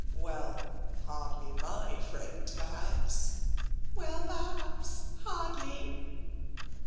"Well, hardly my friend, perhaps." "Well, perhaps hardly!"